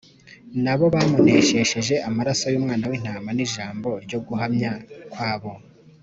Na bo bamuneshesheje amaraso y’Umwana w’Intama n’ijambo ryo guhamya kwabo,